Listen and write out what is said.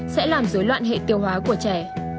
sẽ làm dối loạn hệ tiêu hóa của trẻ